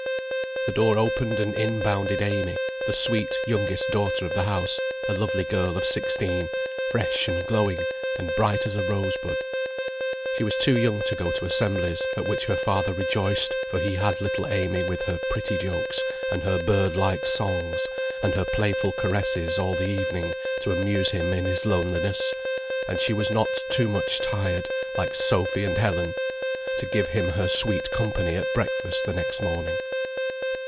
The door opened and in bounded Amy, the sweet youngest daughter of the house, a lovely girl of sixteen, fresh and glowing, and bright as a rosebud. She was too young to go to assemblies, at which her father rejoiced, for he had little Amy with her pretty jokes, and her bird like songs, and her playful caresses all the evening to amuse him in his loneliness; and she was not too much tired, like Sophy and Helen, to give him her sweet company at breakfast the next morning.